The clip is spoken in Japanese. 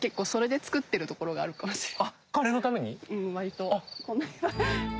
うん割と。